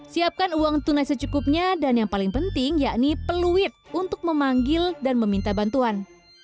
siapkan uang tunai secukupnya dan yang paling penting yakni peluit untuk memanggil dan meminta bantuan